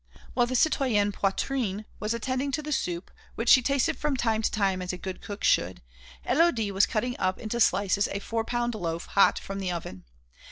While the citoyenne Poitrine was attending to the soup, which she tasted from time to time as a good cook should, Élodie was cutting up into slices a four pound loaf hot from the oven.